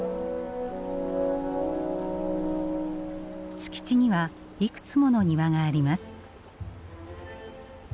敷地にはいくつもの庭があります。